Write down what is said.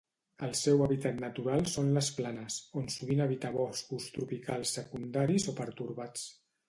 El seu hàbitat natural són les planes, on sovint habita boscos tropicals secundaris o pertorbats.